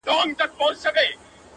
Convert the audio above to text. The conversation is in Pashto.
د حیا په حجاب پټي چا دي مخ لیدلی نه دی,